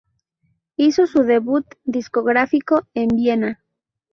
Hizo su debut discográfico en Viena.